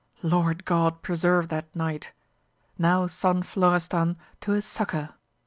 Lord God preserve that knight ! now son Florestan to his succour.